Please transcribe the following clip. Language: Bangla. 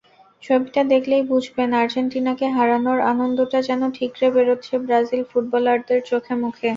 ছবিটা দেখলেই বুঝবেন, আর্জেন্টিনাকে হারানোর আনন্দটা যেন ঠিকরে বেরোচ্ছে ব্রাজিল ফুটবলারদের চোখে-মুখে।